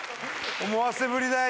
思わせぶりだよ